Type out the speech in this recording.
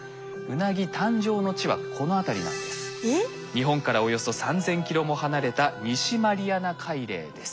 日本からおよそ３，０００キロも離れた西マリアナ海嶺です。